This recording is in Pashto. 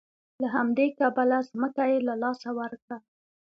له همدې کبله ځمکه یې له لاسه ورکړه.